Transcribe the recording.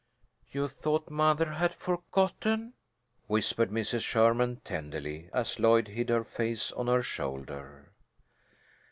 "You thought mother had forgotten," whispered Mrs. Sherman, tenderly, as Lloyd hid her face on her shoulder.